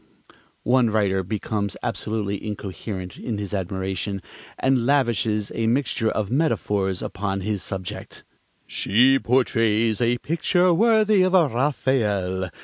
... One writer becomes absolutely incoherent in his admiration, and lavishes a mixture of metaphors upon his subject: "She portrays a picture worthy of a Raphael.